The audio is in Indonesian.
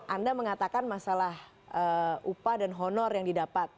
anda mengatakan masalah upah dan honor yang didapat